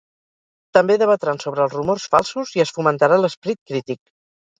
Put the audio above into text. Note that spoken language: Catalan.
També debatran sobre els rumors falsos i es fomentarà l'esperit crític.